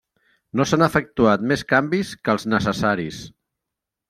No s'han efectuat més canvis que els necessaris.